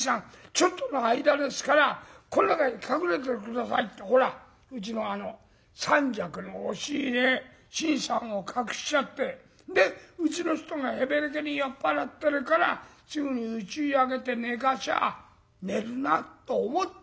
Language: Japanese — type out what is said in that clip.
ちょっとの間ですからこの中に隠れてて下さい』ってほらうちの三尺の押し入れ新さんを隠しちゃってでうちの人がへべれけに酔っ払ってるからすぐにうちへ上げて寝かしゃあ寝るなと思ったのよ。